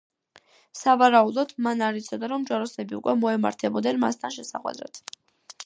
სავარაუდოდ, მან არ იცოდა, რომ ჯვაროსნები უკვე მოემართებოდნენ მასთან შესახვედრად.